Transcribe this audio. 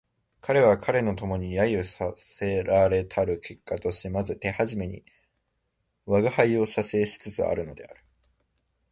彼は彼の友に揶揄せられたる結果としてまず手初めに吾輩を写生しつつあるのである